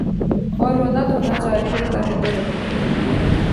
اوررونا دھونا جاری رہتاہے تو رہے۔